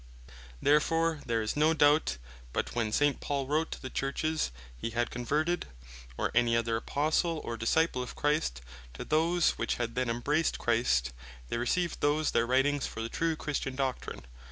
Therefore there is no doubt, but when S. Paul wrote to the Churches he had converted; or any other Apostle, or Disciple of Christ, to those which had then embraced Christ, they received those their Writings for the true Christian Doctrine.